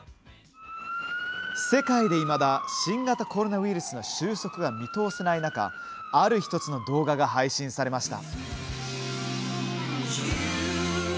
世界で、いまだ新型コロナウイルスの収束が見通せない中ある１つの動画が配信されました。